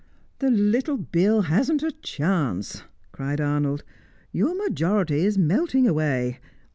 "The little Bill hasn't a chance," cried Arnold. "Your majority is melting away.